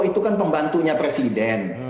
itu kan pembantunya presiden